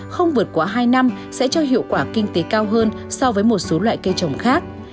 không vượt qua hai năm sẽ cho hiệu quả kinh tế cao hơn so với một số loại cây trồng khác